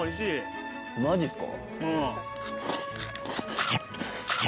マジっすか。